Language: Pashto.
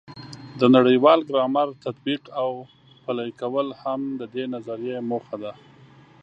د نړیوال ګرامر تطبیق او پلي کول هم د دې نظریې موخه ده.